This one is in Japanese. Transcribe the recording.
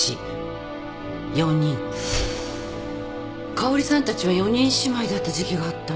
香織さんたちは四人姉妹だった時期があったのよ。